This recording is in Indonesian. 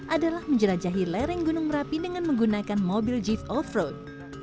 adalah menjelajahi lereng gunung merapi dengan menggunakan mobil jeep off road